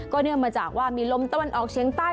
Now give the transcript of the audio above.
เนื่องมาจากว่ามีลมตะวันออกเชียงใต้